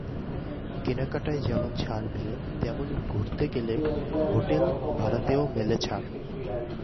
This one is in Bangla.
কেনাকাটায় যেমন ছাড় মেলে, তেমনি ঘুরতে গেলে হোটেল ভাড়াতেও মেলে ছাড়।